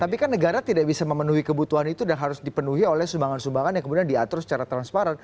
tapi kan negara tidak bisa memenuhi kebutuhan itu dan harus dipenuhi oleh sumbangan sumbangan yang kemudian diatur secara transparan